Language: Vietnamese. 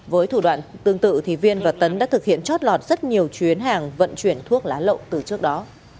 với thủ đoạn tương tự thì viên và tấn đã thực hiện chót lọt rất nhiều chuyến hàng vận chuyển thuốc lá lậu từ trước đó